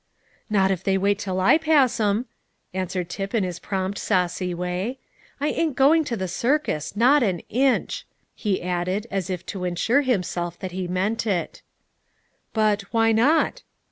"Not if they wait till I pass 'em," answered Tip in his prompt, saucy way. "I ain't going to the circus, not an inch," he added, as if to assure himself that he meant it. "But why not?"